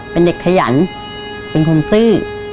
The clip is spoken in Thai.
เป็นเด็กขยันเป็นคนซื่อ